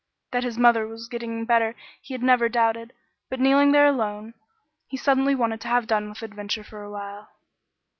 That his mother was getting better he had never doubted, but kneeling there alone, he suddenly wanted to have done with adventure for a while.